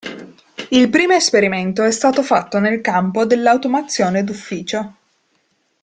Il primo esperimento è stato fatto nel campo dell'automazione d'ufficio.